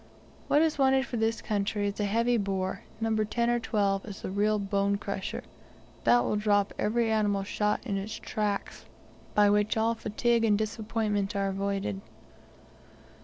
What is wanted for this country is a heavy bore No. 10 or 12 is the real bone crusher that will drop every animal shot in its tracks, by which all fatigue and disappointment are avoided.